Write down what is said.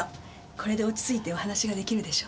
これで落ち着いてお話が出来るでしょ。